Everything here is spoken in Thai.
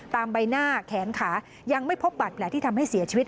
ใบหน้าแขนขายังไม่พบบาดแผลที่ทำให้เสียชีวิต